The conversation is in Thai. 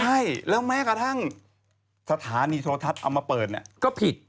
ใช่แล้วแม้กระทั่งสถานีโทรทัศน์เอามาเปิดเนี่ยก็ผิด